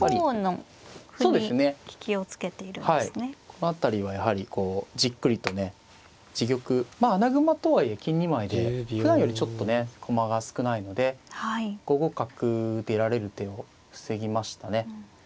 この辺りはやはりこうじっくりとね自玉まあ穴熊とはいえ金２枚でふだんよりちょっとね駒が少ないので５五角出られる手を防ぎましたね。